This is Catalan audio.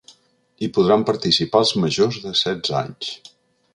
Hi podran participar els majors de setze anys.